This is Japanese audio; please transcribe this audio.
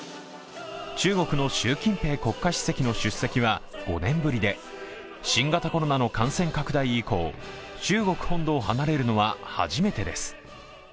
中国の習近平国家主席の出席は５年ぶりで、新型コロナの感染拡大以降、中国本土を離れるのは初めてです。